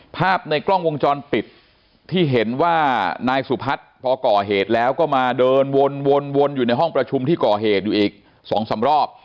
ภาพในกล้องวงจรปิดที่เห็นว่านายสุพัฒน์พอก่อเหตุแล้วก็มาเดินวนอยู่ในห้องประชุมที่ก่อเหตุอยู่อีก๒๓รอบ